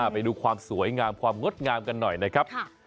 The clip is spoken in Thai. ไปดูความสวยงามความงดงามกันหน่อยนะครับ